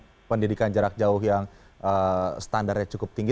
dengan pendidikan jarak jauh yang standarnya cukup tinggi